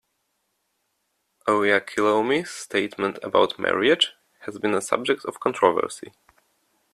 Oyakhilome's statement about marriage has been a subject of controversy.